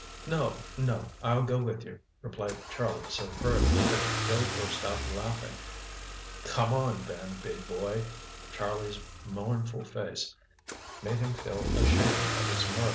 "No, no, I'll go with you," replied Charlie so hurriedly that Bill burst out laughing. "Come on, then, big boy." Charlie's mournful face made him feel ashamed of his mirth.